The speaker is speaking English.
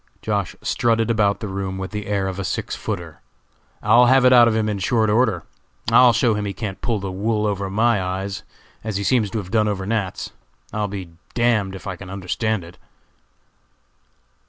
Josh. strutted about the room with the air of a six footer. "I'll have it out of him in short order. I'll show him he can't pull the wool over my eyes, as he seems to have done over Nat.'s. I'll be d d if I can understand it."